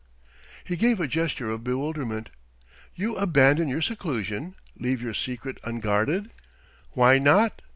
He gave a gesture of bewilderment. "You abandon your seclusion leave your secret unguarded?" "Why not?"